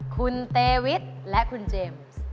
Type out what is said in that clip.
คุณเตวิทและคุณเจมส์